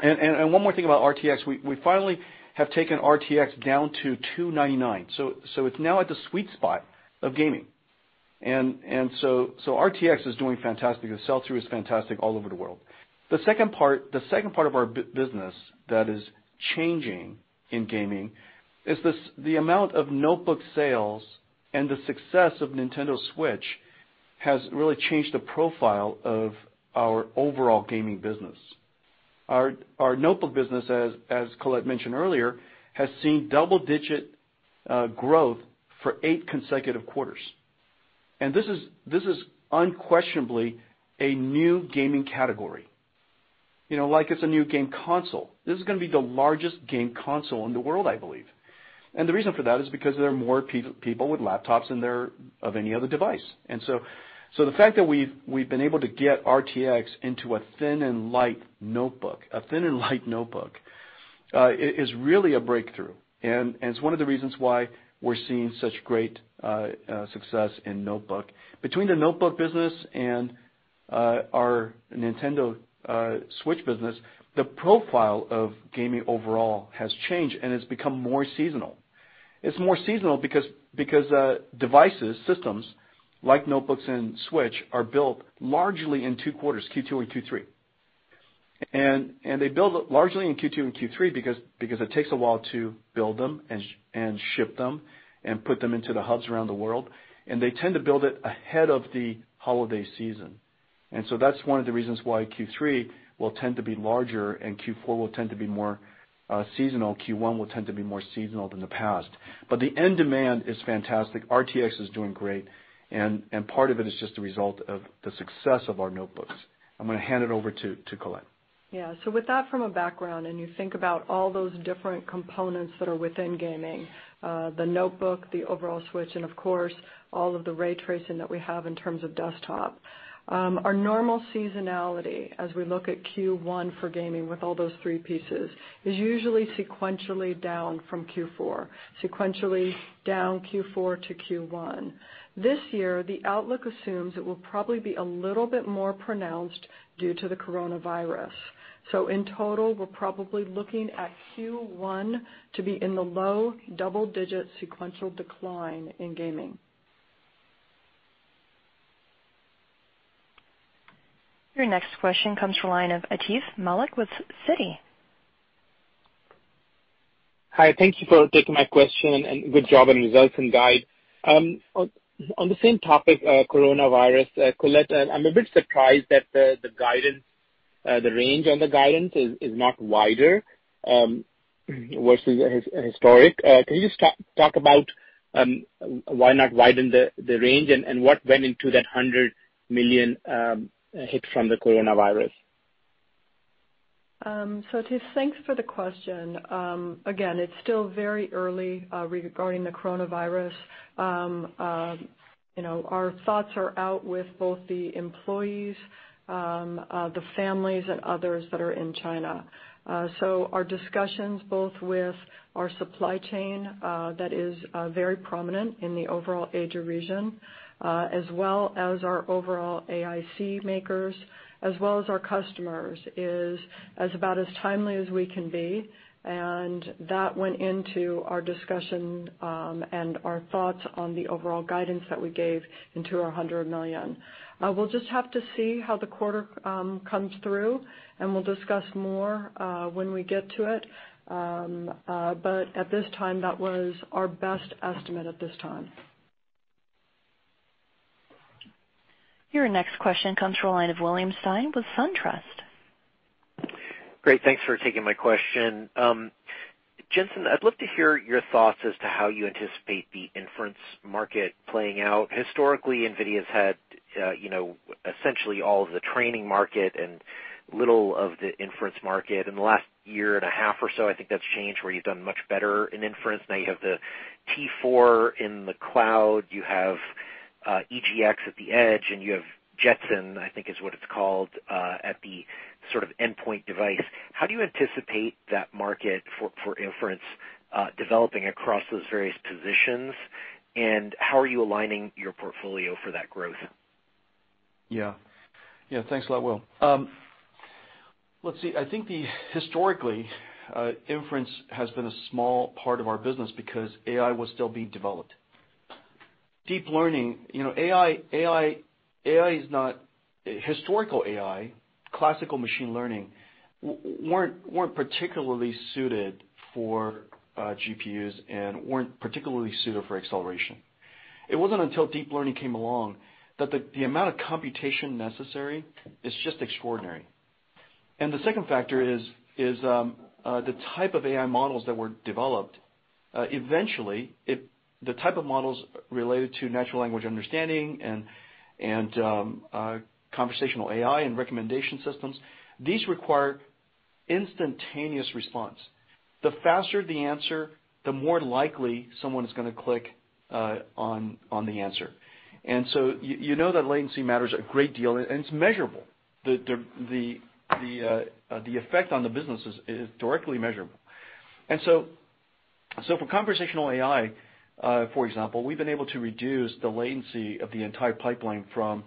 and one more thing about RTX, we finally have taken RTX down to $299, so it's now at the sweet spot of gaming. RTX is doing fantastic. The sell-through is fantastic all over the world. The second part of our business that is changing in gaming is this, the amount of notebook sales and the success of Nintendo Switch has really changed the profile of our overall gaming business. Our notebook business, as Colette mentioned earlier, has seen double-digit growth for eight consecutive quarters. This is unquestionably a new gaming category. You know, like it's a new game console. This is gonna be the largest game console in the world, I believe. The reason for that is because there are more people with laptops than there of any other device. The fact that we've been able to get RTX into a thin and light notebook is really a breakthrough. It's one of the reasons why we're seeing such great success in notebook. Between the notebook business and our Nintendo Switch business, the profile of gaming overall has changed, and it's become more seasonal. It's more seasonal because devices, systems like notebooks and Switch are built largely in two quarters, Q2 and Q3. They build it largely in Q2 and Q3 because it takes a while to build them and ship them and put them into the hubs around the world, and they tend to build it ahead of the holiday season. That's one of the reasons why Q3 will tend to be larger and Q4 will tend to be more seasonal. Q1 will tend to be more seasonal than the past. The end demand is fantastic. RTX is doing great, and part of it is just a result of the success of our notebooks. I'm gonna hand it over to Colette. Yeah. With that from a background, and you think about all those different components that are within gaming, the notebook, the overall Switch, and of course, all of the ray tracing that we have in terms of desktop. Our normal seasonality as we look at Q1 for gaming with all those three pieces is usually sequentially down from Q4, sequentially down Q4 to Q1. This year, the outlook assumes it will probably be a little bit more pronounced due to the coronavirus. In total, we're probably looking at Q1 to be in the low double-digit sequential decline in gaming. Your next question comes from the line of Atif Malik with Citi. Hi. Thank you for taking my question, and good job on results and guide. On the same topic, coronavirus, Colette, I'm a bit surprised that the guidance, the range on the guidance is not wider versus historic. Can you just talk about why not widen the range and what went into that $100 million hit from the coronavirus? Atif, thanks for the question. Again, it's still very early regarding the coronavirus. You know, our thoughts are out with both the employees, the families and others that are in China. Our discussions both with our supply chain that is very prominent in the overall Asia region, as well as our overall AIC makers, as well as our customers, is as about as timely as we can be, and that went into our discussion and our thoughts on the overall guidance that we gave into our $100 million. We'll just have to see how the quarter comes through, and we'll discuss more when we get to it. At this time, that was our best estimate at this time. Your next question comes from the line of William Stein with SunTrust. Great. Thanks for taking my question. Jensen, I'd love to hear your thoughts as to how you anticipate the inference market playing out. Historically, NVIDIA's had, you know, essentially all of the training market and little of the inference market. In the last year and a half or so, I think that's changed, where you've done much better in inference. Now you have the T4 in the cloud, you have EGX at the edge, and you have Jetson, I think, is what it's called, at the sort of endpoint device. How do you anticipate that market for inference developing across those various positions, and how are you aligning your portfolio for that growth? Thanks a lot, Will. Let's see. I think historically, inference has been a small part of our business because AI was still being developed. Deep learning, you know, AI is not--Historical AI, classical machine learning weren't particularly suited for GPUs and weren't particularly suited for acceleration. It wasn't until deep learning came along that the amount of computation necessary is just extraordinary. The second factor is the type of AI models that were developed. Eventually, the type of models related to natural language understanding and conversational AI and recommendation systems, these require instantaneous response. The faster the answer, the more likely someone is gonna click on the answer. You know that latency matters a great deal, and it's measurable. The effect on the business is directly measurable. For conversational AI, for example, we've been able to reduce the latency of the entire pipeline from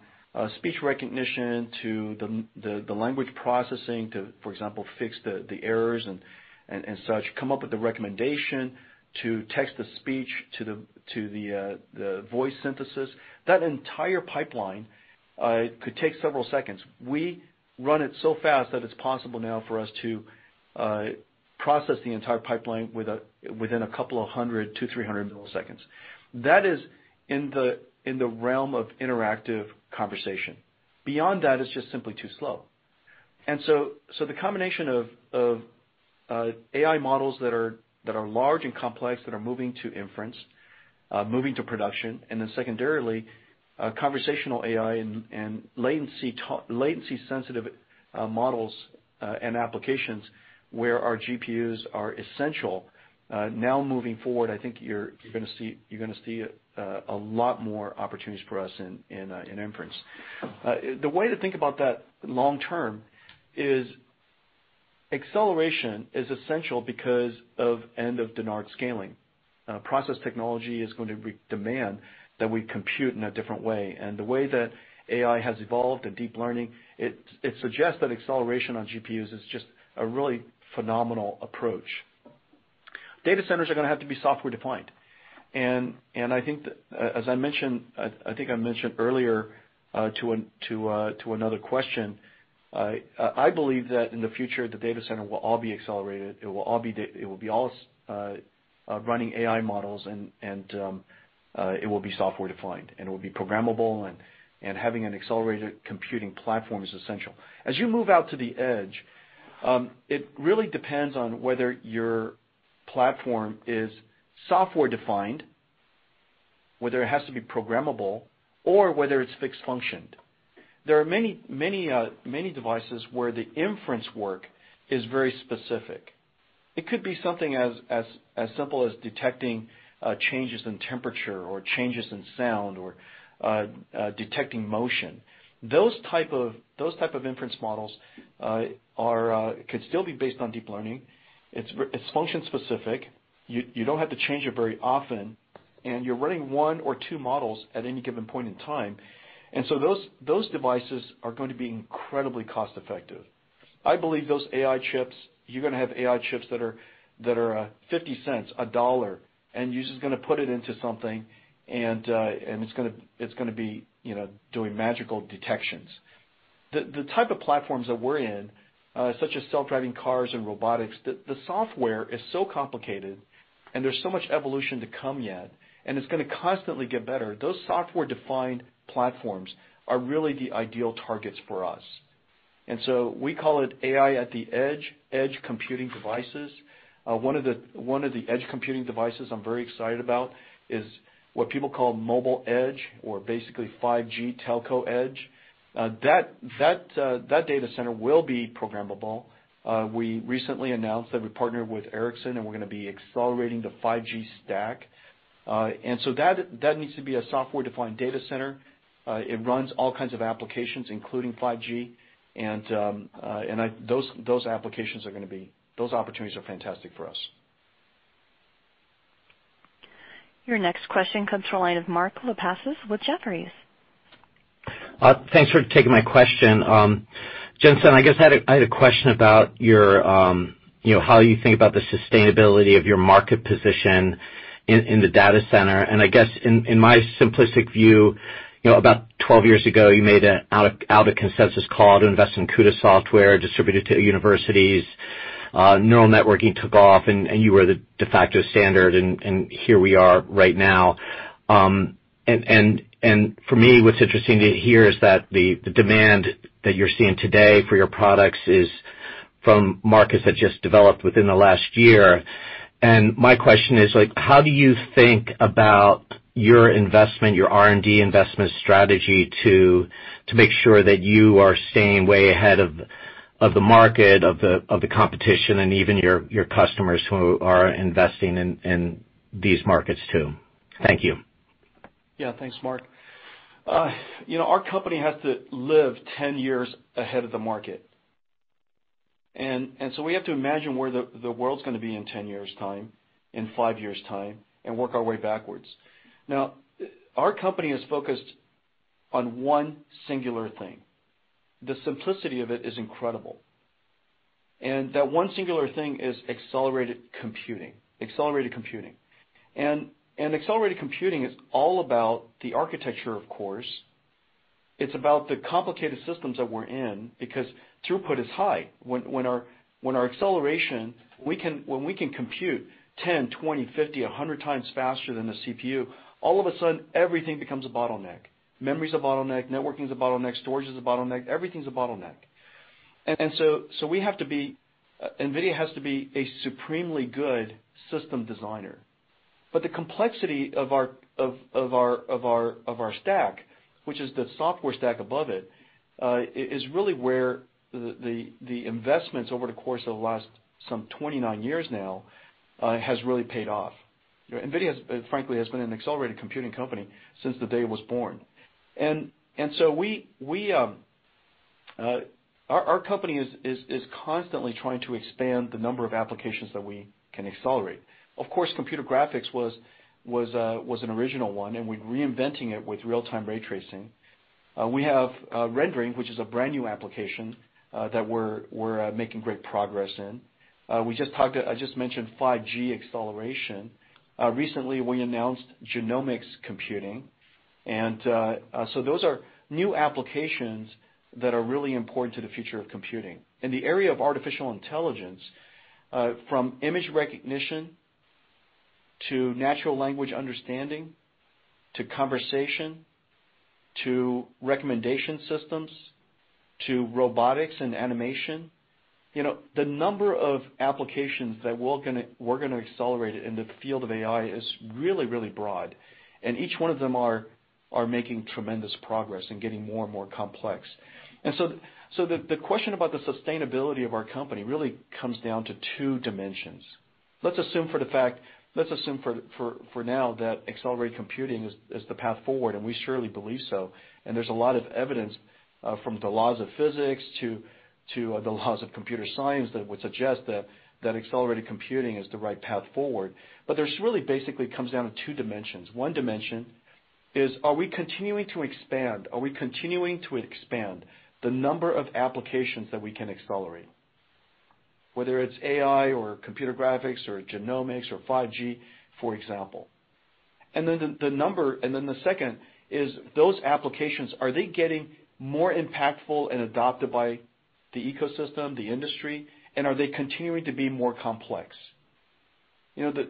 speech recognition to the language processing to, for example, fix the errors and such, come up with the recommendation, to text-to-speech ,to the voice synthesis. That entire pipeline could take several seconds. We run it so fast that it's possible now for us to process the entire pipeline within 200-300 ms. That is in the realm of interactive conversation. Beyond that, it's just simply too slow. The combination of AI models that are large and complex, that are moving to inference, moving to production, secondarily, conversational AI and latency-sensitive models and applications where our GPUs are essential. Now moving forward, I think you're gonna see a lot more opportunities for us in inference. The way to think about that long term is, acceleration is essential because of end of Dennard scaling. Process technology is going to re-demand that we compute in a different way. The way that AI has evolved and deep learning, it suggests that acceleration on GPUs is just a really phenomenal approach. Data centers are gonna have to be software defined. I think I mentioned earlier to another question, I believe that in the future, the data center will all be accelerated. It will all be running AI models and it will be software defined, and it will be programmable and having an accelerated computing platform is essential. As you move out to the edge, it really depends on whether your platform is software defined, whether it has to be programmable or whether it's fixed functioned. There are many devices where the inference work is very specific. It could be something as simple as detecting changes in temperature or changes in sound or detecting motion. Those type of inference models could still be based on deep learning. It's function specific. You don't have to change it very often, and you're running one or two models at any given point in time. Those devices are going to be incredibly cost effective. I believe those AI chips, you're gonna have AI chips that are $0.50, $1, and user's gonna put it into something and it's gonna be, you know, doing magical detections. The type of platforms that we're in, such as self-driving cars and robotics, the software is so complicated and there's so much evolution to come yet, it's gonna constantly get better. Those software defined platforms are really the ideal targets for us. We call it AI at the edge, edge computing devices. One of the edge computing devices I'm very excited about is what people call mobile edge or basically 5G telco edge. That data center will be programmable. We recently announced that we partnered with Ericsson and we're gonna be accelerating the 5G stack. That needs to be a software defined data center. It runs all kinds of applications, including 5G. Those opportunities are fantastic for us. Your next question comes to the line of Mark Lipacis with Jefferies. Thanks for taking my question. Jensen, I guess I had a question about your, you know, how you think about the sustainability of your market position in the data center. I guess in my simplistic view, you know, about 12 years ago, you made a out of consensus call to invest in CUDA software distributed to universities. Neural networking took off and you were the de facto standard, and here we are right now. And for me, what's interesting to hear is that the demand that you're seeing today for your products is from markets that just developed within the last year. My question is like, how do you think about your investment, your R&D investment strategy to make sure that you are staying way ahead of the market, of the competition and even your customers who are investing in these markets too? Thank you. Yeah, thanks, Mark. you know, our company has to live 10 years ahead of the market. We have to imagine where the world's going to be in 10 years' time, in five years' time, and work our way backwards. Now, our company is focused on one singular thing. The simplicity of it is incredible. That one singular thing is accelerated computing. Accelerated computing. Accelerated computing is all about the architecture, of course. It's about the complicated systems that we're in because throughput is high. When our acceleration, when we can compute 10x, 20x, 50x, 100x faster than a CPU, all of a sudden everything becomes a bottleneck. Memory is a bottleneck. Networking is a bottleneck. Storage is a bottleneck. Everything's a bottleneck. NVIDIA has to be a supremely good system designer. The complexity of our stack, which is the software stack above it, is really where the investments over the course of the last some 29 years now, has really paid off. You know, NVIDIA's, frankly, has been an accelerated computing company since the day it was born. Our company is constantly trying to expand the number of applications that we can accelerate. Of course, computer graphics was an original one, and we're reinventing it with real-time ray tracing. We have rendering, which is a brand-new application, that we're making great progress in. We just talked, I just mentioned 5G acceleration. Recently, we announced genomics computing. Those are new applications that are really important to the future of computing. In the area of artificial intelligence, from image recognition to natural language understanding, to conversation, to recommendation systems, to robotics and animation, you know, the number of applications that we're gonna accelerate in the field of AI is really, really broad, and each one of them are making tremendous progress and getting more and more complex. The question about the sustainability of our company really comes down to two dimensions. Let's assume for now that accelerated computing is the path forward, and we surely believe so. There's a lot of evidence from the laws of physics to the laws of computer science that would suggest that accelerated computing is the right path forward. This really basically comes down to two dimensions. One dimension is are we continuing to expand? Are we continuing to expand the number of applications that we can accelerate, whether it's AI or computer graphics or genomics or 5G, for example? The second is those applications, are they getting more impactful and adopted by the ecosystem, the industry, and are they continuing to be more complex? You know,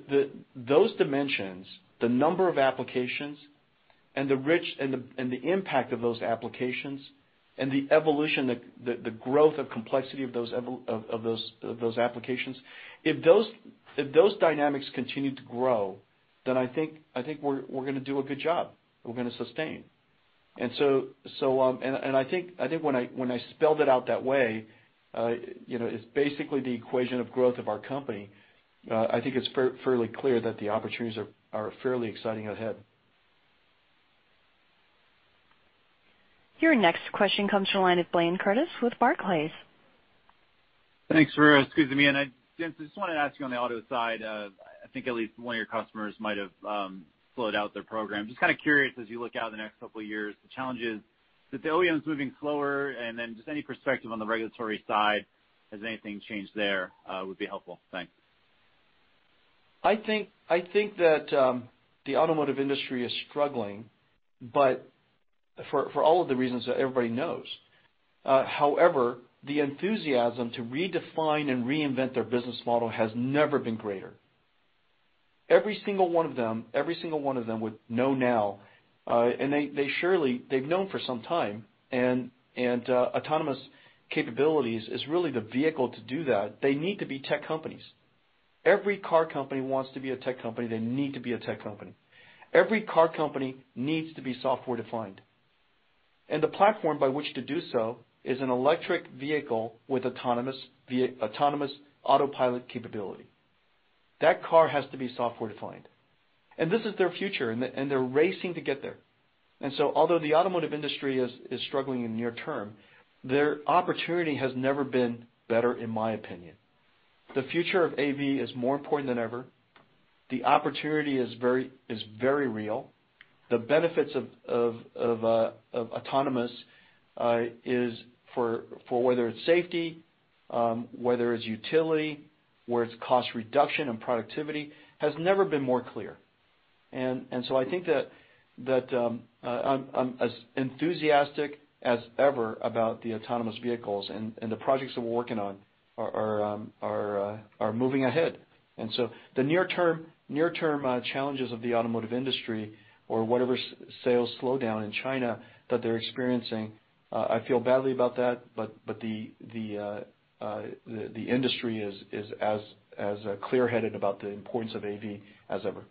those dimensions, the number of applications and the rich and the impact of those applications and the evolution, the growth of complexity of those applications, if those dynamics continue to grow, I think we're gonna do a good job, we're gonna sustain. I think when I spelled it out that way, you know, it's basically the equation of growth of our company. I think it's fairly clear that the opportunities are fairly exciting ahead. Your next question comes from the line of Blayne Curtis with Barclays. Thanks for squeezing me in. Jensen, I just wanted to ask you on the auto side, I think at least one of your customers might have slowed out their program. Just kinda curious, as you look out the next couple of years, the challenges that the OEM is moving slower, and then just any perspective on the regulatory side, has anything changed there, would be helpful. Thanks. I think that the automotive industry is struggling, but for all of the reasons that everybody knows. However, the enthusiasm to redefine and reinvent their business model has never been greater. Every single one of them would know now, and they surely they've known for some time, and autonomous capabilities is really the vehicle to do that. They need to be tech companies. Every car company wants to be a tech company. They need to be a tech company. Every car company needs to be software-defined. The platform by which to do so is an electric vehicle with autonomous autopilot capability. That car has to be software-defined. This is their future, and they're racing to get there. Although the automotive industry is struggling in near term, their opportunity has never been better, in my opinion. The future of AV is more important than ever. The opportunity is very real. The benefits of autonomous is for whether it's safety, whether it's utility, where it's cost reduction and productivity, has never been more clear. I think that, as enthusiastic as ever about the autonomous vehicles and the projects that we're working on are moving ahead. The near term challenges of the automotive industry or whatever sales slowdown in China that they're experiencing, I feel badly about that, but the industry is as clearheaded about the importance of AV as ever.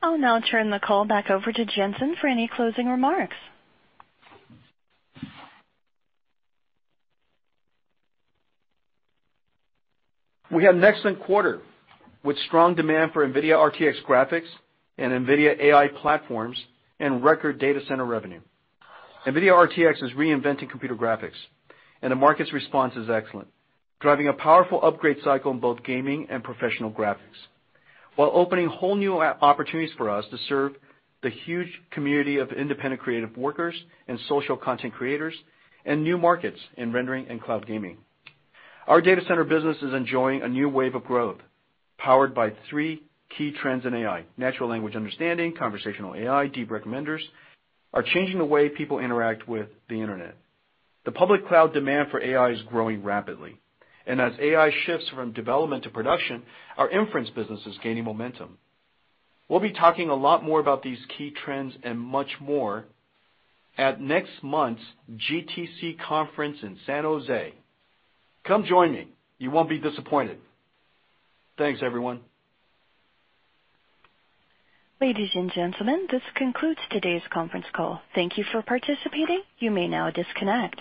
I'll now turn the call back over to Jensen for any closing remarks. We have an excellent quarter with strong demand for NVIDIA RTX graphics and NVIDIA AI platforms and record data center revenue. NVIDIA RTX is reinventing computer graphics, and the market's response is excellent, driving a powerful upgrade cycle in both gaming and professional graphics, while opening whole new opportunities for us to serve the huge community of independent creative workers and social content creators and new markets in rendering and cloud gaming. Our data center business is enjoying a new wave of growth, powered by three key trends in AI. Natural language understanding, conversational AI, deep recommenders are changing the way people interact with the internet. The public cloud demand for AI is growing rapidly. As AI shifts from development to production, our inference business is gaining momentum. We'll be talking a lot more about these key trends and much more at next month's GTC conference in San Jose. Come join me. You won't be disappointed. Thanks, everyone. Ladies and gentlemen, this concludes today's conference call. Thank you for participating. You may now disconnect.